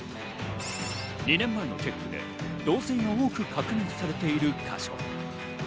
２年前のチェックで漏水が多く確認されているか所。